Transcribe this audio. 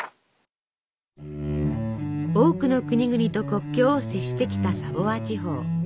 多くの国々と国境を接してきたサヴォワ地方。